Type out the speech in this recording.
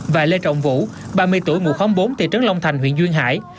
và lê trọng vũ ba mươi tuổi ngụ khóm bốn thị trấn long thành huyện duyên hải